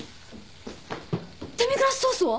デミグラスソースは！？